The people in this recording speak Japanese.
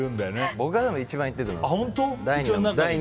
僕が一番行ってると思いますね。